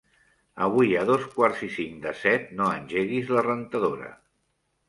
Avui a dos quarts i cinc de set no engeguis la rentadora.